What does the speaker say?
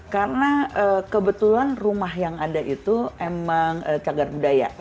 karena kebetulan rumah yang ada itu emang cagar budaya